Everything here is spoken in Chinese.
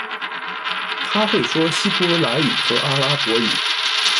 她会说希伯来语和阿拉伯语。